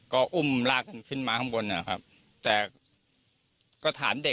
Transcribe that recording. ก็อุ้มลากเข้าขึ้นมาข้างบนนะ